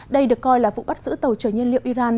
đây được coi là vụ bắt giữ tàu trở nhiên liệu iran